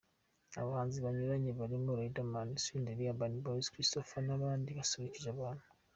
Abahanzi banyuranye barimo Riderman, Senderi, Urban Boyz, Christopher n'abandi basusurukije abantu.